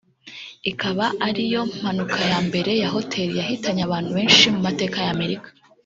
ikaba ariyo mpanuka ya mbere ya hoteli yahitanye abantu benshi mu mateka ya Amerika